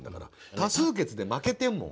多数決で負けてんもん。